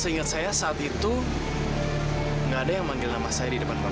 seingat saya saat itu nggak ada yang manggil nama saya di depan bapak